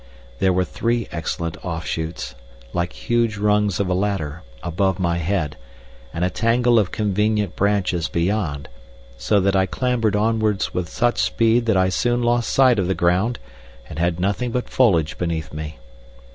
There were three excellent off shoots, like huge rungs of a ladder, above my head, and a tangle of convenient branches beyond, so that I clambered onwards with such speed that I soon lost sight of the ground and had nothing but foliage beneath me.